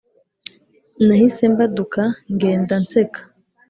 Nahise mbaduka ngenda nseka